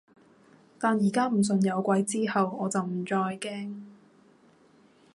但而家唔信有鬼之後，我就唔再驚